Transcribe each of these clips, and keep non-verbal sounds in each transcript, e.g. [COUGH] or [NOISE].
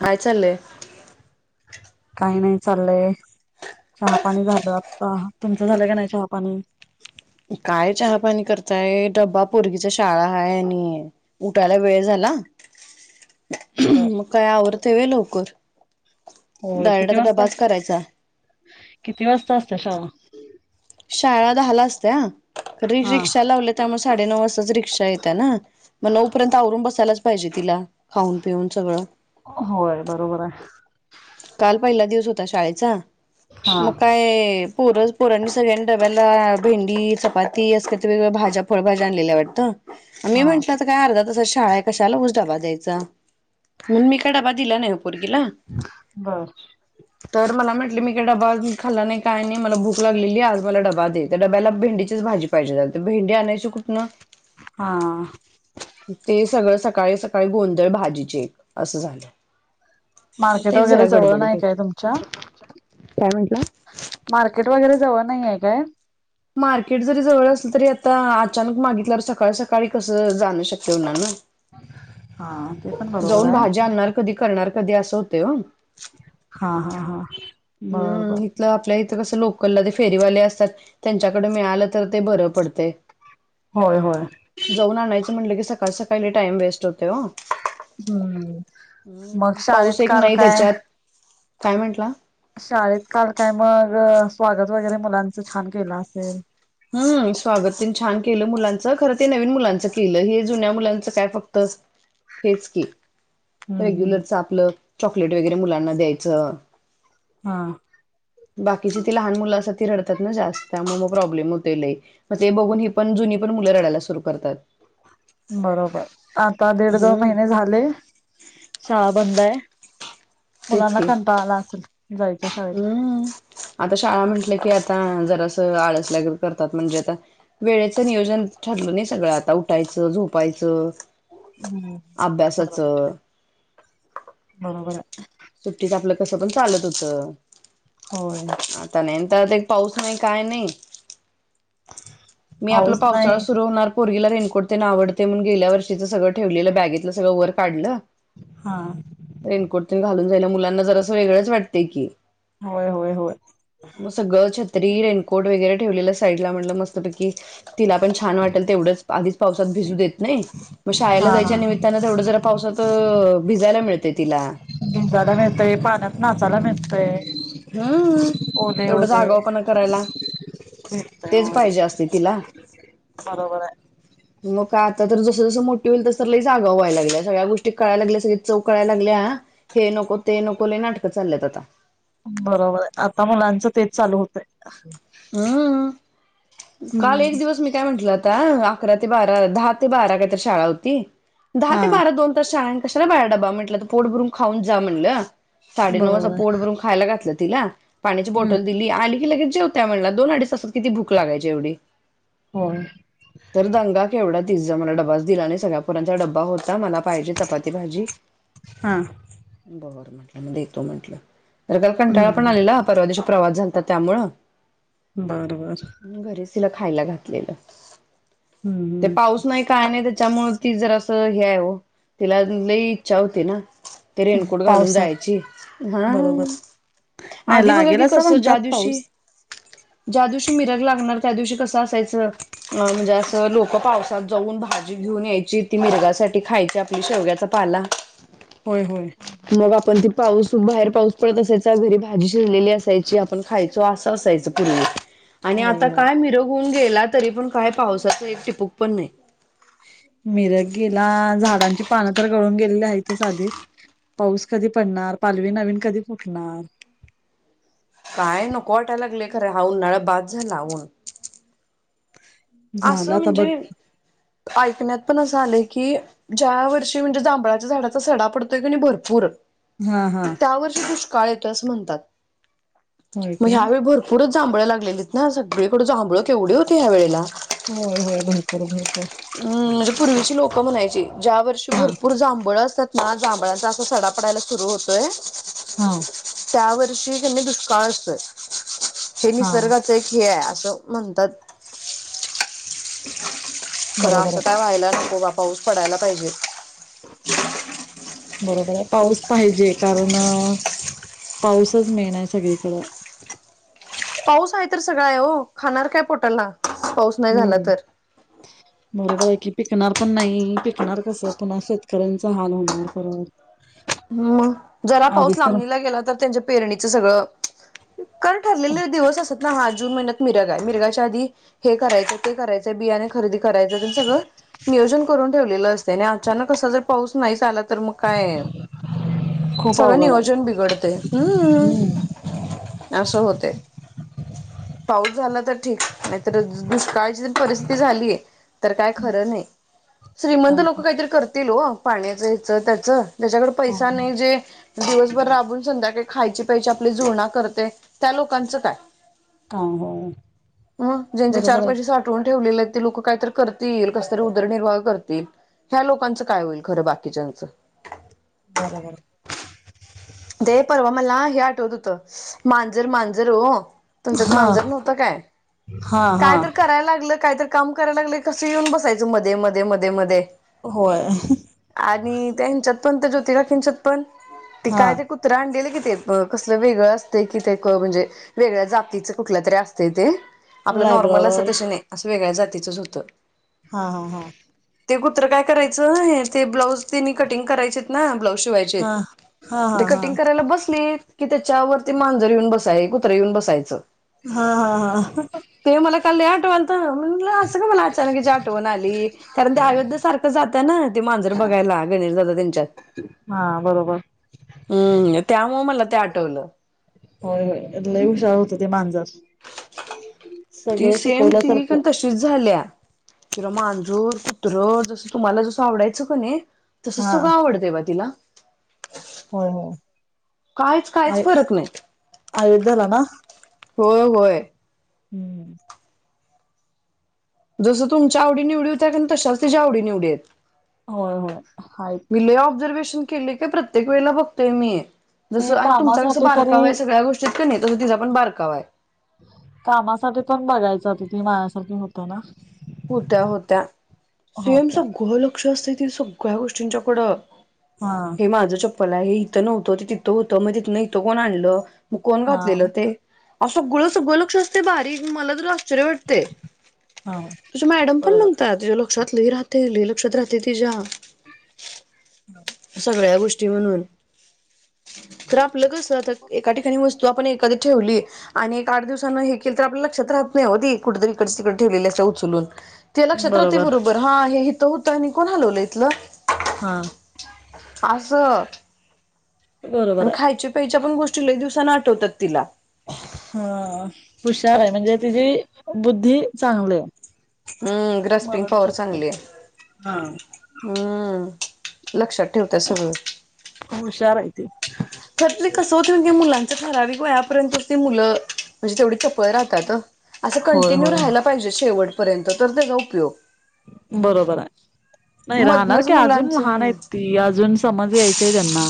काय चाललंय काही नाही चाललंय, चहा पाणी झालं आता, तुमचं झालं का नाही चहा पाणी? काय चहापाणी करत काय डब्बा पोरगीच्या शाळा आहे आणि उटायला वेळ झाला. मग काय आवरतंय व्हय लवकर होयं डायरेक्ट किती आता वाजता डबाच करायचा [UNINTELLIGIBLE] किती वाजता असते शाळा? शाळा दहा ला असत हं, री- हा रिक्षा लावल्या त्यांनच, साडे नऊ वाजता ज रिक, शा येतांय ना, मग नऊ पर्यंत आवरून बसायला. पाहिजे तिला. खाऊन पिऊन सगळं होय बरोबर आहे काल पहिला दिवस होता शाळेचा हा मकाय पूरज पुराण सगळ्यांनी डब्याला भेंडी चपाती अस वगवेगळ्या भाज्या फळभज्या आणलेल्या वाटतं मी हा म्हटलं तर काय अर्धा तसाात शाळा आहे कशालाजडबा मी काडा बाजीला नाही पोरगीला. बस तर मला म्हटले मी का डबा म खाल्ला नाही काय नाही मला भूक लाग ली आज मला डबा दे त्या डब्याला भेंडीचीच भाजी पाहिजे भेंडी आणायची कुठन हा ते सगळं सकाळी सकाळी गोंधळ भाजीचे एक असं झालं मार्केट तेच जरा वगैरे जवळ गडबडीत नाही काय होत. तुमच्या काय म्हटलं मार्केट वगैरे जवळ नाहीये काय मार्केट जरी जवळ असलं तरी आता अचानक मागितल्यावर सकाळ सकाळी कसं जाणं शक्य होणार ना ह जाऊन भाजी आणणार कधी करणार कधी असं होते हो हा हा हा बर बर हम्म इथलं आप कस लोकलला फेरीवाले असतात त्यांच्याकडे मिळालं तर ते बर पडते होय होय जाऊन आणायचं म्हटलं की का सकाळी टाईम वेस्ट होते हो हम्म मग पाऊस शाळेत एक काल नाही काय त्याच्यात काय म्हंटलं शाळेत काल काय मग स्वागत वगैरे मुलांचं छान केलं असेल हम्म स्वागतने छान केलं मुलांचं खरं ते नवीन मुलांच केलं हे जुन्या मुलांचं काय फक्त हेच के हम्म हम्म रेग्युलर आपलं चॉकलेट वगैरे मुलांना द्यायचं हा बाकीची ती लहान मुलं असत ती रडतात ना जास्त मग मग प्रॉब्लेम होते ल मग ते बघून ही पण जुनी पण मुलं रडायला सुरू करतात बरोबर आता दीड, दोन, हम्म महिने झाले शाळा बंद आहे. तेच मुलांना की कंटाळा आला असल. हम्म आता शाळा म्हटलं की आत आता जरास आळसल्यागत करतात म्हणजे आता वेळेचं नियोजन ठरलं नाही सगळं आता उठायचं झोपायचं हम्म अभ्यासाच बरोबर बरोबर आहे सुट्टीत आपलं कसं पण चालत होतं होय त्या ते एक पाऊस नाही काय नाही मी आपलं पाऊस पावसाळा नाही सुरू होणार पोरीगी ला रेनकोट ते आवडत्या म्हणून गेल्या वर्षीच सगळं ठेवलेलं बॅगेतलं सगळं वर काढलं हा रेनकोट तेन मुलांना जरास असं वेगंळ च वाटते की होय होय होय मग सगळ छत्री रेनकोट वगैरे ठेवलेलं बाजूला ला म्हणलं मस्तपैकी तिला पण छान वाटल तेवढंच आधी पावसात भिजू देत नाही मग शाळेला हा हा जायच्या निमित्तान, थोडं जरा पाऊस भिजायला मिळते तिला भिंजाला मिळतय, पाण्यात नाचायला मिळतय हम्म ओले तेवढंचं ओले आगाऊपणा करायला, भेटतय ते च होय पाहिजे असते तिला बरोबर आहे मग काय आता, तर जसं -जसं मोठी होईल तस तर लईच आगाऊ व्हायला लागली सगळ्या गोष्टी कळाय लागल्या. सगळी चव कळायला लागली. आहे हे नको ते नको, लय नाटकं चालत आता बरोबर आता मुलांचं तेच चालू होतय हम काल हम्म एक दिवस मी काय म्हटलं अकरा ते बारा, दहा ते बारा काही तर शाळा होती दहा हा ते बारा दोन तास शाळा होती कशाला बाळा डबा म्हटलं, पोट भरून खऊन जा म्हटलं साडे नऊ वाजता बरोबर पोट आहे भरून खायला घातलं तिला पाणीची हम्म बॉटल दिली आली लगेच जेवते म्हटलं, दोन अडीच तासात किती भूक लागयची जेवढे होय [UNINTELLIGIBLE] तर दंगा केवढा तीज मला डबाच दिला आणि सगळ्या पोरांचा डबा होता मला पायजे चपाती भाजी हा बरं म म देतो म्हंटलं आग त्याला कंटाळा पण हम्म आलेला परवा दिवशी प्रवास झालता त्यामुंळे बर बर मी घरीच तिला खायला घातलेलं हम्म ते हम्म पाऊस नाही काय नाही त्या मुळच ती जरास हे हाय ओ तिला आजुन लई इच्छा होती ना ते रेनकोट घालून पावसात जायची हा बरोबर नाही आधी बघा लागेल कि असं कसं ज्या म्हणतात दिवशी पाऊस ज्या दिवशी मिराग लाग गणार त्या दिवशी कसं असायचं अ म्हणजे असं लोक पावसात जाऊन भाजी घेऊन यायची ती मिरगासाठी खायची आपली शेवग्याचा पाला होय होय मग आपण ती पाऊस बाहेर पाऊस पडत असायचा घरी भाजी शिजलेली असायची आपण खायचो असं असायचं पूर्वी आणि आ होय तर होय काय [UNINTELLIGIBLE] गेला तरी पण काय पावसाचा एक टपूक पण नाही. ती पानं तर गळून गेलेली हाईतच आधीच पाऊस कधी पडणार पालवी नवीन कधी फुटणार. काय नको वाटाय लागलल खरं हा उन्हाळा बास झाला आव झाला असं आता बघ म्हणजे ऐकण्यात पण असं झालय की ज्या वर्षी म्हणजे जांभळाच्या झाडाचा सडा पडतोय कणी भरपूर हा हा त्या वर्षी दुष्काळ ये तस म्हणतात. होय म काय ह्या वेळी भरपूरच जांभळ लागलेलीत ना सगळीकड जांभळ केवढी होती ह्या वेळेला होय होय भरपूर भर हम्म म्हणजे पूर्वीची लो क म्हणायची ज्या वर्षी हा भरपूर जांभळ असत हा जांभळाचा अस सडा पडायला सुरु होतोय हा षी कणी दुष्काळ असतोय ते हा निसर्गाच एक हेय त म्हणतात खर बरोबर असं काय, आहे व्हायला नको बाबा. पाऊस पडायला पाहिजे. बरोबर आहे. पाऊस पाहिजे कारण पाऊसच मेन आहे सगळीकडं. पाऊस आहे तर सगळा आहे ओ. खाणार काय पोटाला? पाऊस नाही झाला हम. तर बरोबर आहे कि- पिकणार पण नाही पिकणार कसं पुन्हा शेतकऱ्यांच हाल होणार परत. हम्म मग, जरा पाऊस आधीच तर लांबणीला गेला तर त्यांच्या पेरणीचं सगळं काय ठरलेले दिवस असं. हा जून महिन्यात मिरग आहे. मिरगाच्या आधी हे करायचंय, ते करायचंय बियाणे खरेदी करायचं सगळं तर नियोजन करून ठेवलेलं असतय, आणि अचानक असा जर पाऊस नाहीच आला [INAUDIBLE] तर मग काय [UNINTELLIGIBLE] खूप सगळ्यांनी अवघड आहे वजन बिघडतय. हम्म, हम्म असं होतंय. पाऊस झाला तर ठीक, नाहीतर दुष्काळची परिस्थिती झालीय, तर काय खरं नाही. श्रीमंत काय ते लोकं काहीतरी करतील वो. पाण्याचं ह्याचं त्याचं [UNINTELLIGIBLE] हा पैसा हा नाही जे [UNINTELLIGIBLE] दिवसभर राबून संध्याकाळी खायची प्यायची आपली जुळणा करते. त्या लोकांचं काय? काय हो मग, ज्यांचे चार बरोबर आहे पैसे साठवून ठेवलेले आहेत. ते लोक काय तर करतील कसतरी उदरनिर्वाह करतील. ह्या लोकांच काय होईल? खरं बाकीच्याचं. बरोबर [UNINTELLIGIBLE] दे परवा मला, हे आठवत होतं, मांजर, मांजर हो तुमच्यात हा मांजर नव्हत काय? हा हा काय तर करायला लागलं त काम करायला लागलं कस येऊन बसायचं मध्ये मध्ये मध्ये मध्ये. होय आणि त्यांच्या [UNINTELLIGIBLE] पण त्या ज्योती तुमच्यात पण ती हा काय [UNINTELLIGIBLE] केलं की ते. कसलं वेगळं असतंय किथ ते म्हणजे वेगळ्या जातीच कुठल्या तरी असतंय ते. आपलं नॉर्मल असत लायब्रॉडवर तसं नाही. वेगळ्या जातीचंच होतं. हांहाहा. कुत्र काय करायचं? हे ब्लॉऊज - त्यांनी कटिंग करायचेत ना, ब्लाऊज शिवायचेत. हा हा हा ते हा कटिंग करायला बसलेत की त्याच्यावरती मांजर येऊन बसाय. कुत्र येऊन बसायचं. हा हा हा ते मला काल लय आठवाईलत हो. [UNINTELLIGIBLE] तरी मला अचानक याची आठवण आली कारण ते अयोध्या सारखं जात ना ती मांजर बघायला. [UNINTELLIGIBLE] काही नाही झालं त्यांच्यात हा बरोबर. हम्म त्यामुल. ते आठवलं. होय, होय लई हुशार होतं ते मांजर. ती सगळं सेम ती पण शिकवल्यासारखं तशीच झाल्या मांजूर कुत्र जसं तुम्हाला जसं आवडायचं कीने तसं हा सग कां आवडते बा तिला हो काहीच कायच फरक नाही अयोध्येला का हो होय हम्म जसं तुमच्या आवडी निवड होत्या का तशाच तिच्या आवडी निवडीत होय होय हायत केली काय प्रत्येक वेळेला बघतोय मी ती जसं आणि तुमचा कसं कामासाठी तरी बारकाव आहे सगळ्या गोष्टीत क नाही तसं तिचा पण बारकाव आहे आणिती मायासारखे होतं ना होत्या होत्या सेम होत्या सगळं लक्ष असते दिसून सगळ्या गोष्टींच्याकडं हा हे माझ्य चाकले मला हे इथं नव्हतं ते तिथं होतं मग तिथं इथं कोण आणलं कोण हा घातलेल ते सगळं सगळं लक्ष असते बारीक मला तर आश्चर्य वाटतंय हा तुझ मॅडम पण बरोबर म्हणतात लक्षात लई राहते लई लक्षात राहते तीचा सगळ्या गोष्टी म्हणून तर आप कसे आता एका ठिकाणी वस्तू एखाद ठेवली आणि एक आठ दिवसाांना हे केल तर आपल्या लक्षात राहत नाही होती कुठेतरी इकडे तिकडे ठेवलेल्या असे उचलून ते लक्षात राहते बरोबर हा हे ऊठ तो आणि कोण हलवलं इतल हा अस आणि बरोबर आहे खायच्या प्यायच्या पण गोष्टी लय दिवसांनी आठवतात तिला. हा हुशार आहे. म्हणजे तिची बुद्धी चांगली आहे. हम्म ग्रस्पिंग पॉवर चांगली आहे. हा हम्म लक्षात. ठेवत्या सगळं. ते. खरतरी कस होतय मुलांचा ठरावीक वयापर्यंत. मुलं म्हणजे तेवढी चपळ राहतात. असं होय कंटिन्यू होय राहायला पाहिजे शेवट. पर्यंत तर तेज उपयोग. बरोबर आहे. नाही राहणार मधनच की अजून लहान मुलांचं आहेत ती. अजून समज यायची आहे त्यांना.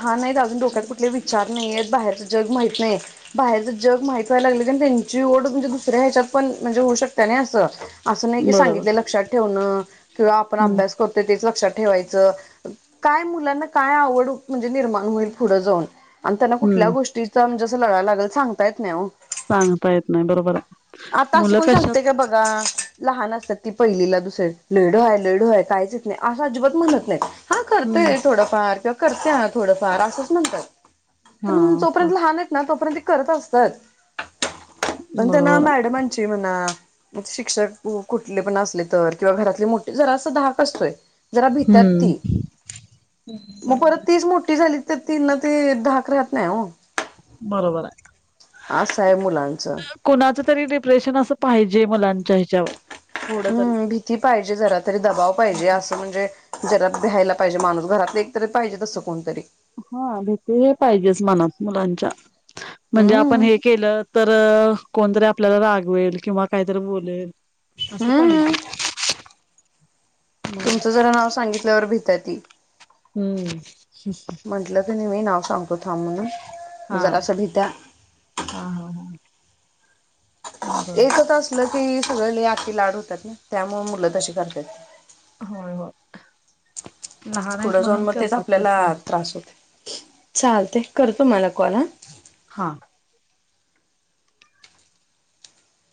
हा नाही अजून डोक्यात कुठले विचार नाहीयेत बाहेरच जग माहित नाही. बाहेरच जग माहित व्हाय लागले की त्यांची ओढ म्हणजे दुसऱ्या ह्याच्यात पण म्हणजे होऊ शकत्या नाही अस. असं नाही की बरोबर सांगितले लक्षात ठेवणं किंवा आपण हम्म अभ्यास करतो तेच लक्षात. ठेवायच काय मुलांना. काय आवड म्हणजे निर्माण होईल पुढं जाऊन. आणि त्यांना कुठल्या हम्म गोष्टीचा. लागाय लागल सांगता येत नाही. हो सांगता येत नाही बरोबर आहे आता असं मुलं कोण सांगते कशात. का बघा लहान असतात ती पहिलीला दुसरी लय ढ आहे, लय ढ आहे कायच येत नाही असं अजिबात म्हणत नाही. हा हम्म करतय थोडं. किंवा करते थोडं फार असंच म्हणतात. हा कारण जोपर्यंत लहान आहेत ना तोपर्यंत. करत असतात. पण तेना बरोबर आहे मॅडमांची म्हणा. मग शिक्षक कुठले पण असले तर किंवा घरातले मोठे जरा स धाक असतोय. जरा भितात हम्म. ती मग परत तीच मोठी. झाली तर तीन ना ते धाक राहत नाही हो. बरोबर आहे. आस आहे मुलांचं. कुणाच तरी डिप्रेशन अस पाहिजे मुलांच्या हिच्यावर हम्म भीती पाहिजे जरा तरी दबाव पाहिजे असं म्हणजे जरा. भ्यायला पाहिजे माणूस घरात एक तरी पाहिजे तसं कोणतरी. हा भीती हे पाहिजेच मनात मुलांच्या. म्हणजे आपण हम्म हे केलं तर कोणतरी आपल्याला रागवेल किंवा काहीतरी बोलेल हम्म [UNINTELLIGIBLE] तुमचं जरा नाव सांगितल्यावर भी पद्धती हम्म म्हंटलं तर मी नाव सांगतो थांब म्हणून हा जरा असं भिता हा हा हा बर एकच असलं की सगळे लई असले लाड होतात ना, त्यामुळे मुलं तशी करतात होय हो फुडं जाऊन म त्याचा आपल्याला त्रास होतो, चालतय. कर तु मला कॉल हा हा